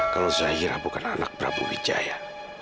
kalau zahira bukan anak prabu wijaya